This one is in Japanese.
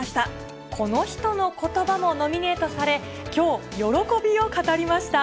この人のことばもノミネートされ、きょう、喜びを語りました。